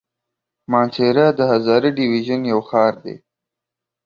مانسهره د هزاره ډويژن يو ښار دی.